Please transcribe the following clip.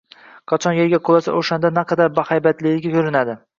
Qachon yerga qulasa, o‘shanda naqadar bahaybatligi ko‘rinadi.